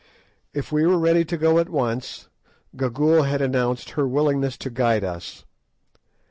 If we were ready to go at once, Gagool had announced her willingness to guide us.